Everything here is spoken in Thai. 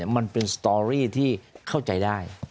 มันเป็นสตอรี่ที่เข้าใจได้